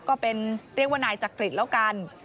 ก็เป็นเรียกว่านายจักริตแล้วกัน